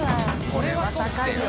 これは高いよ。